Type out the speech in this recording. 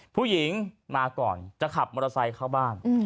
ผู้หญิงมาก่อนจะขับมอเตอร์ไซค์เข้าบ้าน